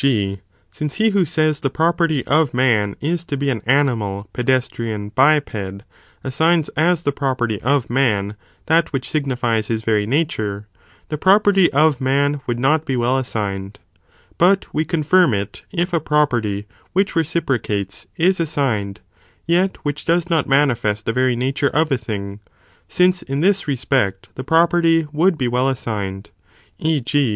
g. since he who says the property of man is to be an animal pedestrian biped, assigns as the property of man that which signifies his very nature, ' the property of man would not be well assigned, But we confirm it if a property which reciprocates is assigned, yet which does not manifest the very nature of a thing, since in this respect the property would be well assigned; e. g.